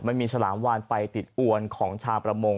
ฉลามวานไปติดอวนของชาวประมง